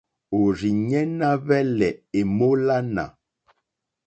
Òrzìɲɛ́ ná hwɛ́lɛ̀ èmólánà.